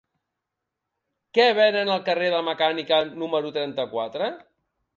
Què venen al carrer de la Mecànica número trenta-quatre?